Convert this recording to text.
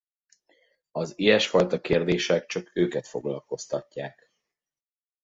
Az ilyesfajta kérdések csak őket foglalkoztatják.